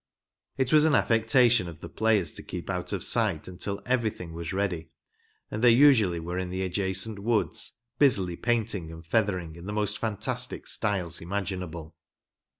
It was an affectation of the players to keep out of sight until everything was ready, and they usually were in the adjacent woods, busily painting and feathering in the most fantastic styles imaginable.